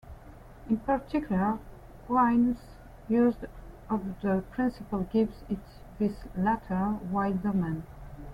In particular, Quine's use of the principle gives it this latter, wide domain.